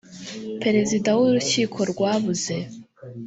perezida w urukiko rwabuze